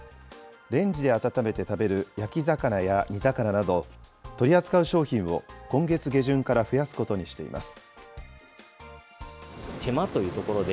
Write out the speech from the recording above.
レンジで温めて食べる焼き魚や煮魚など、取り扱う商品を今月下旬から増やすことにしています。